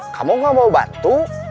kamu gak mau bantu